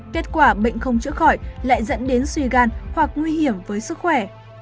kết quả bệnh không chữa khỏi lại dẫn đến suy gan hoặc nguy hiểm với sức khỏe